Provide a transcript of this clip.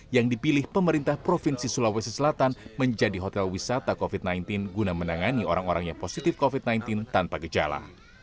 yang dipilih pemerintah provinsi sulawesi selatan menjadi hotel wisata covid sembilan belas guna menangani orang orang yang positif covid sembilan belas tanpa gejala